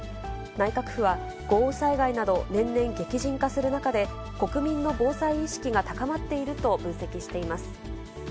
内閣府は、豪雨災害など、年々激甚化する中で、国民の防災意識が高まっていると分析しています。